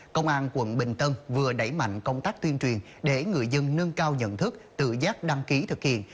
công an quận bình tân vừa đẩy mạnh công tác tuyên truyền để người dân nâng cao nhận thức tự giác đăng ký thực hiện